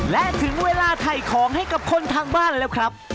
และถึงเวลาถ่ายของให้กับคนทางบ้านแล้วครับ